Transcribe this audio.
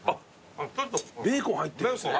ベーコン入ってるんすね。